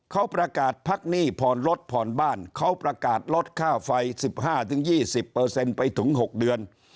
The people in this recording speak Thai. เขาประกาศพักหนี้ผ่อนรถผ่อนบ้านเขาประกาศลดค่าไฟ๑๕๒๐ไปถึง๖เดือน